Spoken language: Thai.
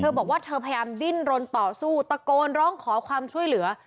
บอกว่าเธอพยายามดิ้นรนต่อสู้ตะโกนร้องขอความช่วยเหลือ